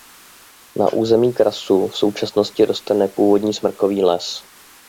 Na území krasu v současnosti roste nepůvodní smrkový les.